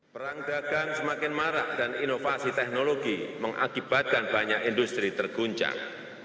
perang dagang semakin marak dan inovasi teknologi mengakibatkan banyak industri terguncang